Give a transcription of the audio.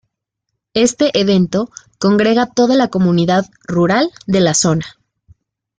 Este evento congrega toda la comunidad rural de la zona.